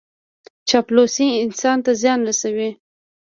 چاپلوسي انسان ته زیان رسوي.